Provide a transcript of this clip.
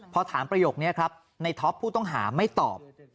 พอถามประโยคนี้ครับในท็อปผู้ต้องหาไม่ตอบ